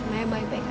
saya baik baik aja